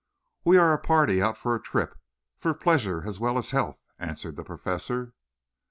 "We are a party out for a trip, for pleasure as well as health," answered the Professor.